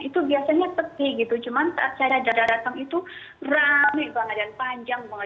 itu biasanya peti gitu cuman saat saya dada datang itu rame banget dan panjang banget